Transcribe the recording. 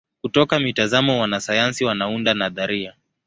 Kutoka mitazamo wanasayansi wanaunda nadharia.